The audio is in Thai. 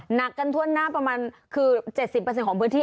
หนักกันทั่วหน้าประมาณคือ๗๐ของพื้นที่